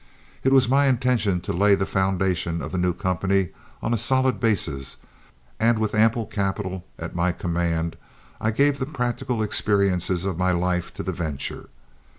It was my intention to lay the foundation of the new company on a solid basis, and with ample capital at my command I gave the practical experiences of my life to the venture.